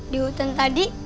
di hutan tadi